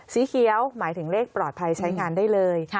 สีเขียวหมายถึงเลขปลอดภัยใช้งานได้เลย